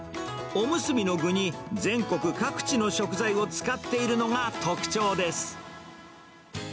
おむすびの具に、全国各地の食材を使っているのが特徴です。